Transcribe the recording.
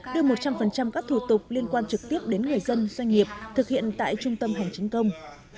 đưa một trăm linh các thủ tục liên quan trực tiếp đến người dân doanh nghiệp thực hiện tại trung tâm hành chính công